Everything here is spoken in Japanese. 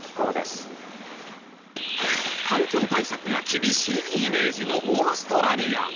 環境対策が厳しいイメージのオーストラリア。